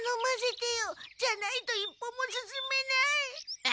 じゃないと一歩も進めない。